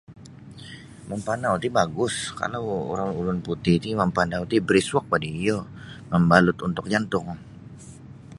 Mampanau ti bagus kalau urang ulun putih ti mampanau ti briskwalk bah ni iyo mambalut untuk jantung.